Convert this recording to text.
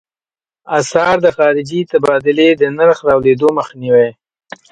د اسعارو د خارجې تبادلې د نرخ د رالوېدو مخنیوی.